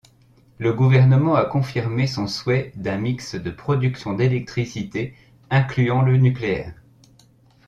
Le gouvernement a confirmé son souhait d’un mix de production d’électricité incluant le nucléaire.